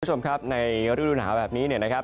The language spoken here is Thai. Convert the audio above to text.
คุณผู้ชมครับในรูดูหนาแบบนี้นะครับ